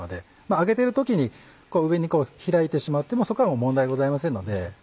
揚げてる時に上にこう開いてしまってもそこはもう問題ございませんので。